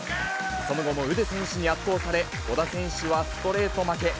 その後もウデ選手に圧倒され、小田選手はストレート負け。